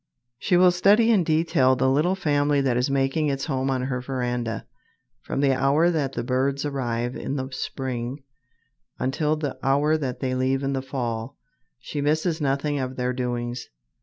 She will study in detail the little family that is making its home on her veranda. From the hour that the birds arrive in the spring until the hour that they leave in the fall she misses nothing of their doings.